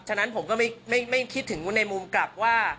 ฉะนั้นผมก็ไม่คิดถึงในมุมกลับว่า